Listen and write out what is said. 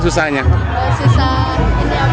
susah ini apa ngarahin